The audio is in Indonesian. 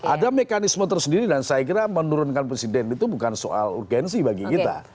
ada mekanisme tersendiri dan saya kira menurunkan presiden itu bukan soal urgensi bagi kita